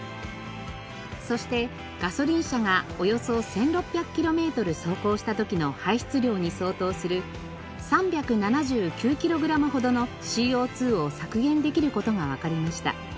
そしてガソリン車がおよそ１６００キロメートル走行した時の排出量に相当する３７９キログラムほどのＣＯ２を削減できる事がわかりました。